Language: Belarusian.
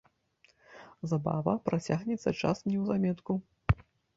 Забава, працягнецца час неўзаметку.